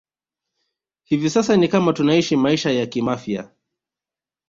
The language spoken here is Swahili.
Hivi sasa ni kama tunaishi maisha ya kimafia